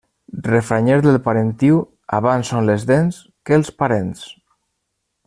Refranyer del parentiu Abans són les dents que els parents.